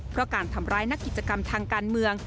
เพราะการทำร้ายนักกิจกรรมทางการเมือง